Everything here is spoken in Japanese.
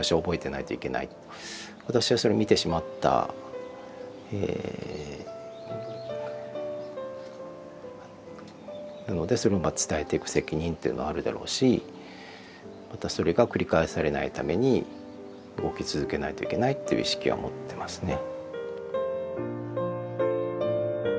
私はそれを見てしまったのでそれを伝えていく責任っていうのはあるだろうしまたそれが繰り返されないために動き続けないといけないっていう意識は持ってますね。